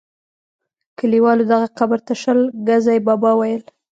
کلیوالو دغه قبر ته شل ګزی بابا ویل.